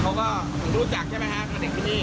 เขาก็รู้จักใช่ไหมครับเมื่อเด็กที่นี่